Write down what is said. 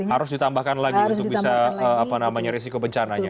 harus ditambahkan lagi untuk bisa risiko bencananya